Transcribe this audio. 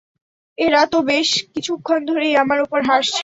এরা তো বেশ কিছুক্ষণ ধরেই আমার ওপর হাসছে।